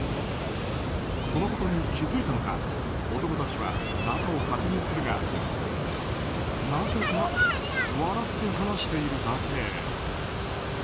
そのことに気づいたのか男たちは中を確認するがなぜか笑って話しているだけ。